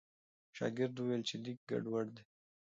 شاګرد وویل چې لیک ګډوډ دی.